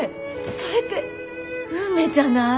それって運命じゃない？